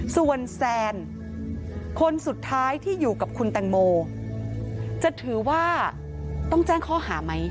ส่วนแซนคนสุดท้ายที่อยู่กับคุณแตงโมจะถือว่าต้องแจ้งข้อหาไหม